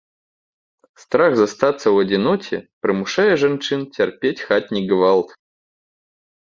Страх застацца ў адзіноце прымушае жанчын цярпець хатні гвалт.